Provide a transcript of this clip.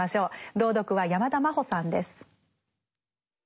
朗読は山田真歩さんです。